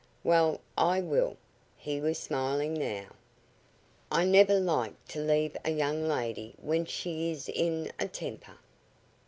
"Well, I will." He was smiling now. "I never like to leave a young lady when she is in a temper."